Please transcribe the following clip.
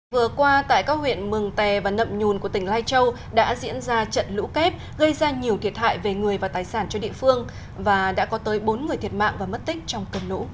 vừa qua tại các huyện mường tè và nậm nhùn của tỉnh lai châu đã diễn ra trận lũ kép gây ra nhiều thiệt hại về người và tài sản cho địa phương và đã có tới bốn người thiệt mạng và mất tích trong cơn lũ